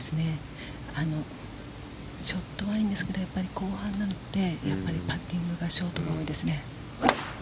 ショットはいいんですけどやっぱり後半になってパッティングがショートが多いですね。